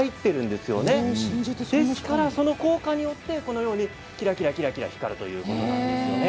ですからその効果によってこのようにキラキラ光るいうことなんですね。